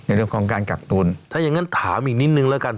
เรื่องของการกักตุลถ้ายังงั้นถามอีกนิดนึงแล้วกัน